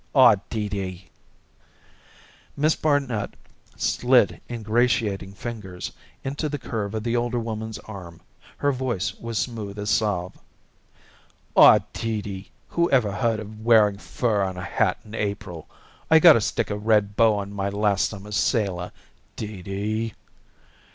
Aw, Dee Dee!" Miss Barnet slid ingratiating fingers into the curve of the older woman's arm; her voice was smooth as salve. "Aw, Dee Dee, who ever heard of wearing fur on a hat in April? I gotta stick a red bow on my last summer's sailor, Dee Dee."